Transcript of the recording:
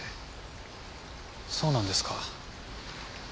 そうなんですか。